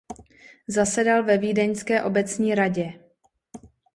Zasedal ve Vídeňské obecní radě.